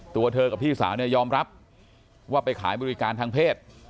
ตัวเธอกับพี่สาวเนี่ยยอมรับว่าไปขายบริการทางเพศ